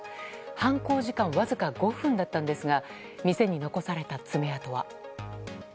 犯行時間わずか５分だったんですが店に残された爪痕は。